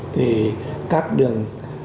thì các đường